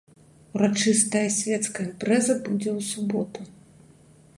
Урачыстая свецкая імпрэза будзе ў суботу.